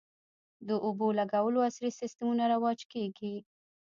د اوبولګولو عصري سیستمونه رواج کیږي